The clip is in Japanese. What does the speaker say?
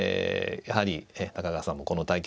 やはり中川さんもこの対局